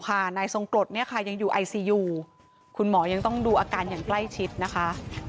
คุณหมอยังต้องดูอาการอย่างใกล้ชิดนะคะ